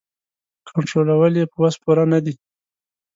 کنټرولول یې په وس پوره نه دي.